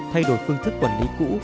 thay đổi phương thức quản lý cũ